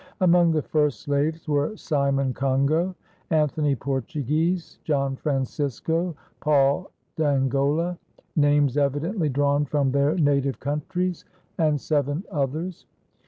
Among the first slaves were Simon Congo, Anthony Portuguese, John Francisco, Paul d'Angola names evidently drawn from their native countries and seven others.